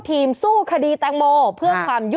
พี่ขับรถไปเจอแบบ